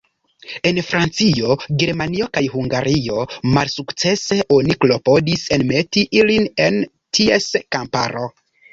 En Francio, Germanio, kaj Hungario malsukcese oni klopodis enmeti ilin en ties kamparo.